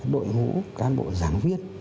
đội ngũ cán bộ giảng viên